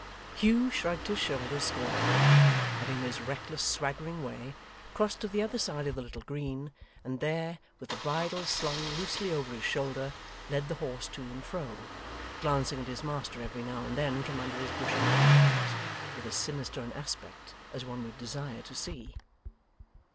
Hugh shrugged his shoulders scornfully, and in his reckless swaggering way, crossed to the other side of the little green, and there, with the bridle slung loosely over his shoulder, led the horse to and fro, glancing at his master every now and then from under his bushy eyebrows, with as sinister an aspect as one would desire to see.